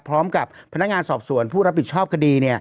พร้อมกับพนักงานสอบสวนผู้รับผิดชอบคดี